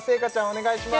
お願いします